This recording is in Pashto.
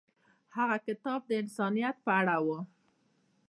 هغه کتاب د انسانیت په اړه و.